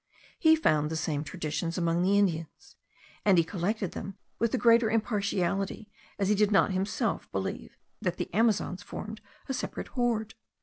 He found the same traditions among the Indians; and he collected them with the greater impartiality as he did not himself believe that the Amazons formed a separate horde.